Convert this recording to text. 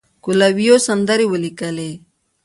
کویلیو سندرې ولیکلې.